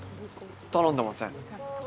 頼んでいません。